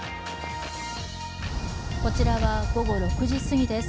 こちらは午後６時すぎです